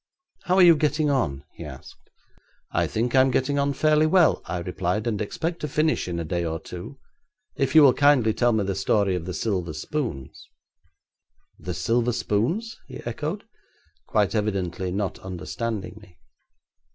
'How are you getting on?' he asked. 'I think I'm getting on fairly well,' I replied, 'and expect to finish in a day or two, if you will kindly tell me the story of the silver spoons.' 'The silver spoons?' he echoed, quite evidently not understanding me.